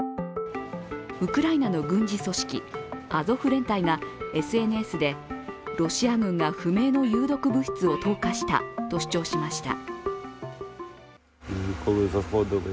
ウクライナの軍事組織、アゾフ連帯がＳＮＳでロシア軍が不明の有毒物質を投下したと主張しました。